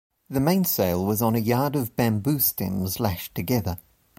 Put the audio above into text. The main sail was on a yard of bamboo stems lashed together.